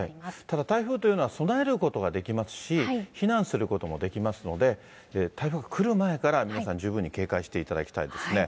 ただ、台風というのは備えることができますし、避難することもできますので、台風が来る前から皆さん、十分に警戒していただきたいですね。